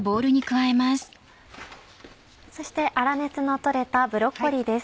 そして粗熱の取れたブロッコリーです。